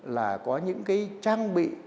là có những cái trang bị